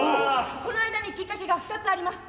この間にきっかけが２つあります。